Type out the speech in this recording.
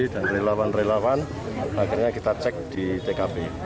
dan relawan relawan akhirnya kita cek di tkp